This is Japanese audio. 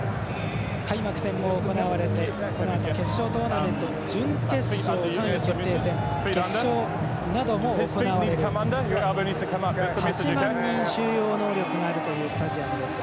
開幕戦も行われてこのあと決勝トーナメントの準決勝３位決定戦、決勝なども行われる８万人収容能力があるというスタジアムです。